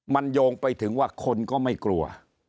มันโยงไปถึงว่าคนก็ไม่กลัว